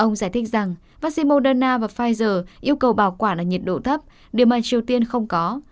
ông giải thích rằng vaccine moderna và pfizer yêu cầu bảo quản ở nhiệt độ thấp điều mà triều tiên không có